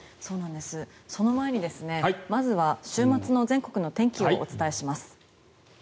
その前にまずは週末の全国の天気をお伝えします。